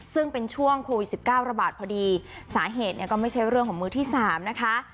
ซึ่งเป็นช่วงโควิด๑๙ระบาดพอดีสาเหตุก็ไม่ใช่เรื่องของมือที่๓นะคะ